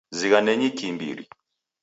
Zighanenyi kiimbiri.